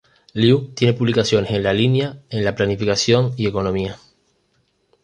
Liu tiene publicaciones en la línea en la planificación y economía.